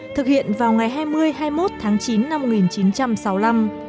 thực hiện vào ngày hai mươi hai mươi một tháng chín năm một nghìn chín trăm sáu mươi năm